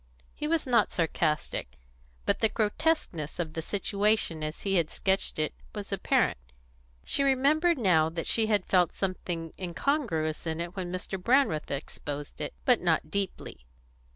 He was not sarcastic, but the grotesqueness of the situation as he had sketched it was apparent. She remembered now that she had felt something incongruous in it when Mr. Brandreth exposed it, but not deeply.